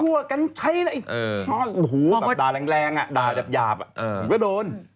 ไอ้ทั่วกัญชานะอะด่าแรงอะด่าจับหยาบอ่ะผมก็โดน